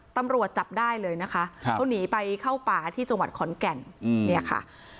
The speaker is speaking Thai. ตำรวจจับได้เลยนะคะเขาหนีไปเข้าป่าที่จังหวัดขอนแก่นเนี่ยค่ะ